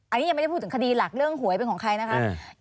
อันนี้ยังไม่ได้พูดถึงคดีหลักเรื่องหวยเป็นของใครนะคะ